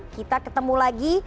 kita ketemu lagi